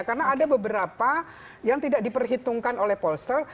karena ada beberapa yang tidak diperhitungkan oleh polster